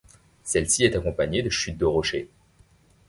Celle-ci est accompagnée de chutes de rochers.